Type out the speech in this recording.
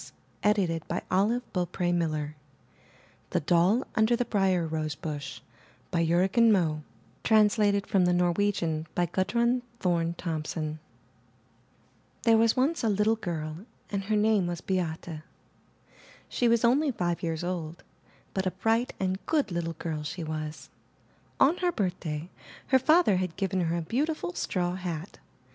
424 IN THE NURSERY THE DOLL UNDER THE BRIAR ROSEBUSH* Jorgen Moe Translated from the Norwegian by Gudrun Thorne Thomsen There was once a little girl, and her name was Beate. She was only five years old, but a bright and good little girl she was. On her birthday her father had given her a beau tiful straw hat.